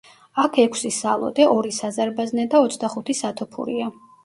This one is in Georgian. აქ ექვსი სალოდე, ორი საზარბაზნე და ოცდახუთი სათოფურია.